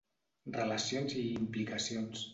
Relacions i implicacions.